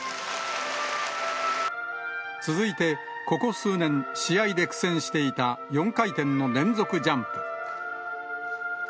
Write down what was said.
続いて、ここ数年、試合で苦戦していた４回転の連続ジャンプ。